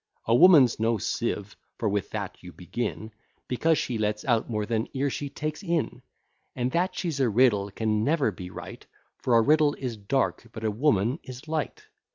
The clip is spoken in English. A woman's no sieve, (for with that you begin,) Because she lets out more than e'er she takes in. And that she's a riddle can never be right, For a riddle is dark, but a woman is light.